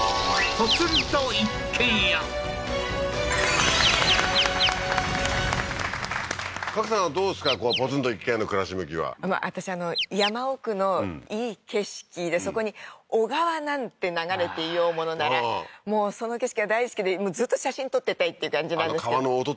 ポツンと一軒家の暮らし向きは私山奥のいい景色でそこに小川なんて流れていようものならもうその景色が大好きでずっと写真撮ってたいっていう感じなんですけどあの川の音とかね